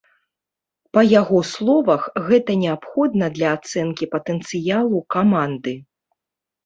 Па яго словах, гэта неабходна для ацэнкі патэнцыялу каманды.